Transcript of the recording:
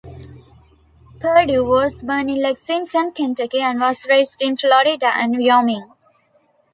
Perdew was born in Lexington, Kentucky and was raised in Florida and Wyoming.